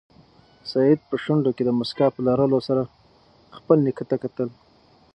سعید په شونډو کې د موسکا په لرلو سره خپل نیکه ته کتل.